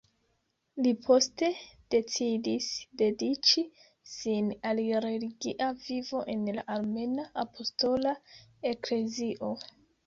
Li poste decidis dediĉi sin al religia vivo en la Armena Apostola Eklezio.